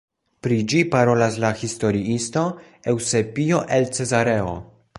Pri ĝi parolas la historiisto Eŭsebio el Cezareo.